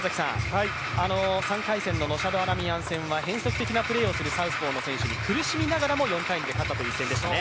３回戦のノシャド・アラミヤン戦は変則的な動きをするので苦しみながらも４−２で勝ったという一戦でしたね。